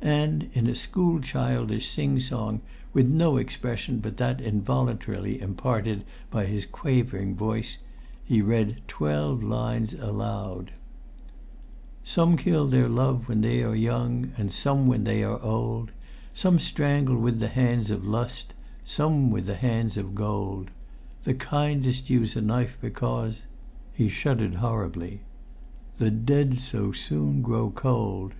And in a school childish singsong, with no expression but that involuntarily imparted by his quavering voice, he read twelve lines aloud "Some kill their love when they are young, And some when they are old; Some strangle with the hands of Lust, Some with the hands of Gold: The kindest use a knife, because " He shuddered horribly "The dead so soon grow cold.